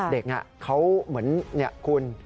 เด็กเขาเหมือนคุณ